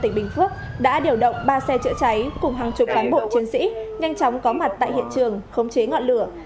tỉnh bình phước đã điều động ba xe chữa cháy cùng hàng chục cán bộ chiến sĩ nhanh chóng có mặt tại hiện trường khống chế ngọn lửa